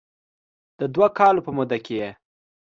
د دوه کالو په موده کې یې